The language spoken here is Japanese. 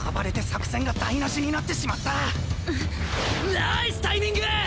ナァァイスタイミング！